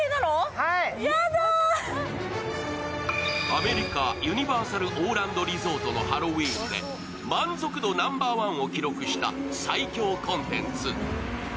アメリカ・ユニバーサル・オーランド・リゾートのハロウィーンで満足度ナンバーワンを記録した最強コンテンツ。